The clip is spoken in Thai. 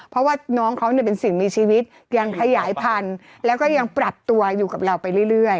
เพราะว่าน้องเขาเนี่ยเป็นสิ่งมีชีวิตยังขยายพันธุ์แล้วก็ยังปรับตัวอยู่กับเราไปเรื่อย